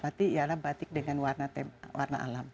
batik ialah batik dengan warna alam